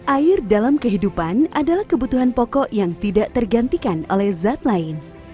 air dalam kehidupan adalah kebutuhan pokok yang tidak tergantikan oleh zat lain